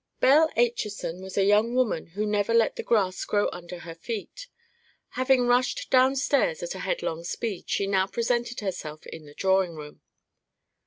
Belle Acheson was a young woman who never let the grass grow under her feet. Having rushed downstairs at a headlong speed, she now presented herself in the drawing room.